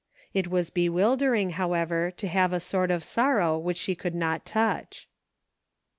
It was bewildering, however, to have a sort of sorrow which she could not touch.